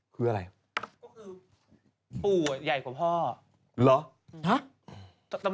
คืออะไร